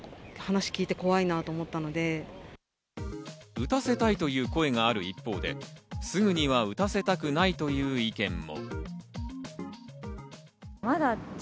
打たせたいという声がある一方で、すぐには打たせたくないという意見も。